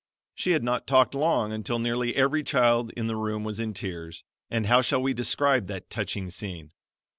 She had not talked long until nearly every child in the room was in tears, and how shall we describe that touching scene?